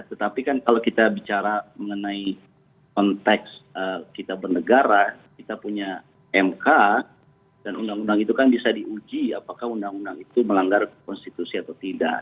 tetapi kan kalau kita bicara mengenai konteks kita bernegara kita punya mk dan undang undang itu kan bisa diuji apakah undang undang itu melanggar konstitusi atau tidak